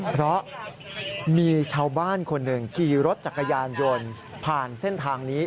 เพราะมีชาวบ้านคนหนึ่งขี่รถจักรยานยนต์ผ่านเส้นทางนี้